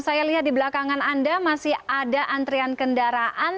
saya lihat di belakangan anda masih ada antrian kendaraan